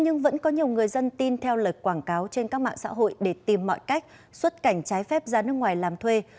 nhưng vẫn có nhiều người dân tin theo lời quảng cáo trên các mạng xã hội để tìm mọi cách xuất cảnh trái phép ra nước ngoài làm thuê